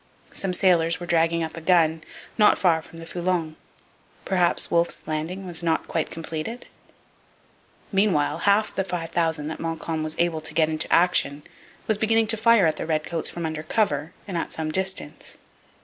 Some sailors were dragging up a gun, not far from the Foulon. Perhaps Wolfe's landing was not quite completed? Meanwhile half the 5,000 that Montcalm was able to get into action was beginning to fire at the redcoats from under cover and at some distance.